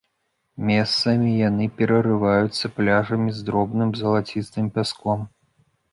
Месцамі яны перарываюцца пляжамі з дробным залацістым пяском.